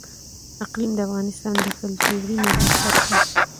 اقلیم د افغانستان د کلتوري میراث برخه ده.